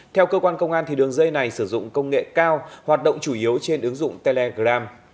theo cơ quan công an đường dây này sử dụng công nghệ cao hoạt động chủ yếu trên ứng dụng telegram